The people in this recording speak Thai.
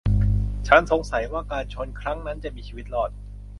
ฉันสงสัยว่าการชนครั้งนั้นจะมีชีวิตรอด